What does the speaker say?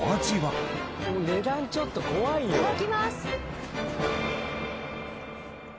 値段ちょっと怖いよ。